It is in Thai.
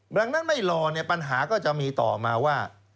ดังนั้นไม่รอเนี่ยปัญหาก็จะมีต่อมาว่า